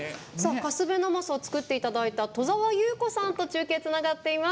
カスベなますを作っていただいた戸沢祐子さんと中継がつながっています。